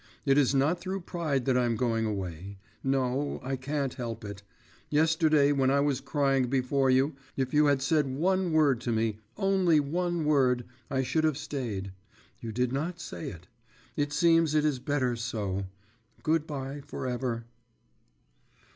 It is not through pride that I'm going away no, I can't help it. Yesterday when I was crying before you, if you had said one word to me, only one word I should have stayed. You did not say it. It seems it is better so.… Good bye for ever!